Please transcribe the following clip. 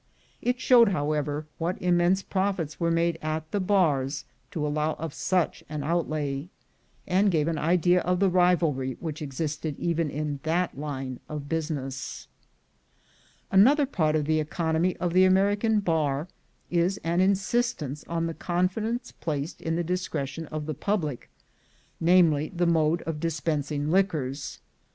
It showed, however, what immense profits were made at the bars to allow of such an outlay, and gave an idea of the rivalry which existed even in that line of business. Another part of the economy of the American bar is an instance of the confidence placed in the discre tion of the public — namely, the mode of dispensing liquors.